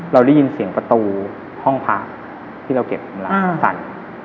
เราได้ยินเสียงประตูห้องพักที่เราเก็บรังสั่น